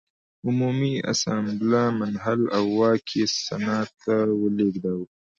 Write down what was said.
عمومي اسامبله منحل او واک یې سنا ته ولېږداوه.